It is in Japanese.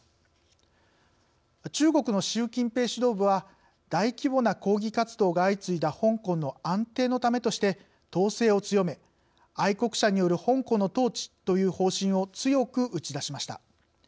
中国の習近平指導部は大規模な抗議活動が相次いだ香港の安定のためとして統制を強め「愛国者による香港の統治」という方針を強く打ち出しました。